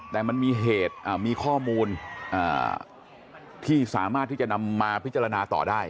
แต่มันมีเหตุมีข้อมูลที่สามารถที่จะนำมาพิจารณาต่อได้